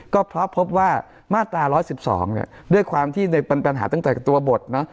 ก็เพราะพบว่ามาตรา๑๑๒เนี่ยด้วยความที่ในปัญหาตั้งแต่ตัวบทเนอะ